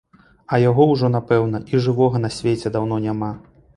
А яго ўжо, напэўна, і жывога на свеце даўно няма.